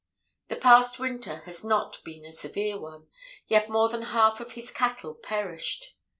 "The past winter has not been a severe one, yet more than half of his cattle perished.